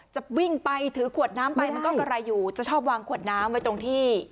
จะวิ่งไปถือขวดน้ำไปมันก็กระไรอยู่จะชอบวางขวดน้ำไว้ตรงที่